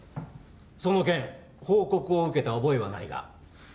その件報告を受けた覚えはないが。